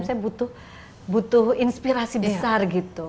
saya butuh inspirasi besar